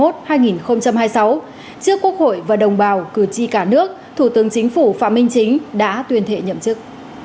trước quốc hội và đồng bào cử tri cả nước thủ tướng chính phủ phạm minh chính đã tuyên thệ nhậm chức